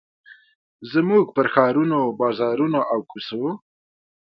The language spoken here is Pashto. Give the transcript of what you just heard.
زموږ پر ښارونو، بازارونو، او کوڅو